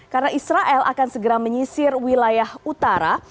karena israel akan segera menyisir wilayah utara